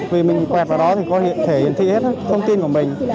vì mình quẹt vào đó thì có thể hiển thị hết thông tin của mình